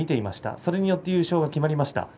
それによって優勝が決まりました。